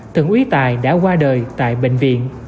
thượng úy tài đã qua đời tại bệnh viện